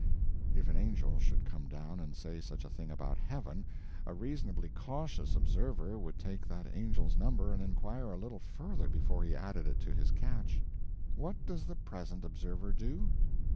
If an angel should come down and say such a thing about heaven, a reasonably cautious observer would take that angel's number and inquire a little further before he added it to his catch. What does the present observer do?